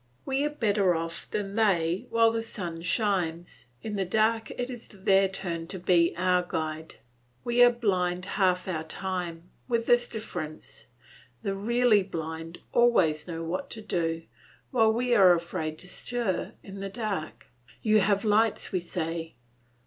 We are better off than they while the sun shines; in the dark it is their turn to be our guide. We are blind half our time, with this difference: the really blind always know what to do, while we are afraid to stir in the dark. We have lights, you say.